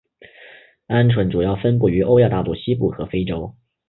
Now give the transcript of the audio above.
鹌鹑主要分布于欧亚大陆西部和非洲。